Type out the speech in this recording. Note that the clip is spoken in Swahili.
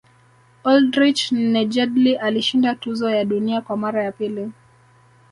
oldrich nejedly alishinda tuzo ya dunia kwa mara ya pili